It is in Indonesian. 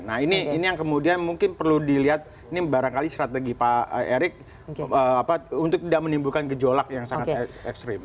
nah ini yang kemudian mungkin perlu dilihat ini barangkali strategi pak erik untuk tidak menimbulkan gejolak yang sangat ekstrim